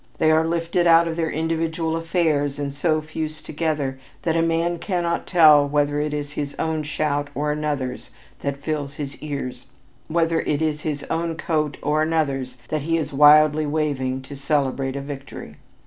They are lifted out of their individual affairs and so fused together that a man cannot tell whether it is his own shout or another's that fills his ears; whether it is his own coat or another's that he is wildly waving to celebrate a victory.